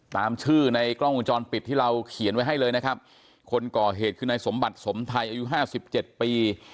ตามชื่อในกล้องวงจรปิดที่เราเขียนไว้ให้เลยนะครับคนก่อเหตุคือนายสมบัติสมไทยอายุห้าสิบเจ็ดปี